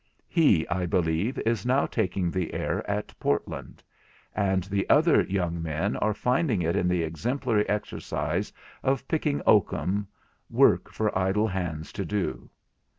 He, I believe, is now taking the air at Portland; and the other young men are finding in the exemplary exercise of picking oakum, work for idle hands to do.